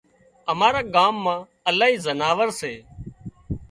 امارا ڳام مان الاهي زناورسي